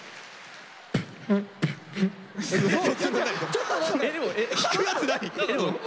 ちょっと引くやつ何？